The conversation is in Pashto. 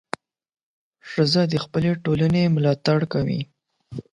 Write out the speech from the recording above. ښځه د خپلې ټولنې ملاتړ کوي.